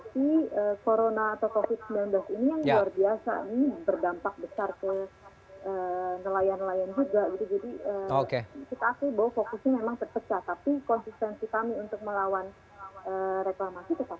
tapi konsistensi kami untuk melawan reklamasi tetap sama